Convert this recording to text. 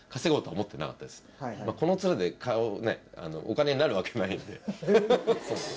この面でお金になるわけないんでフフフ。